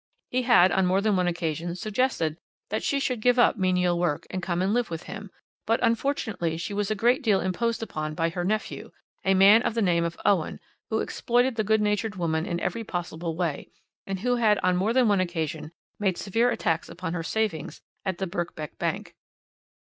He had on more than one occasion suggested that she should give up menial work, and come and live with him, but, unfortunately, she was a great deal imposed upon by her nephew, a man of the name of Owen, who exploited the good natured woman in every possible way, and who had on more than one occasion made severe attacks upon her savings at the Birkbeck Bank.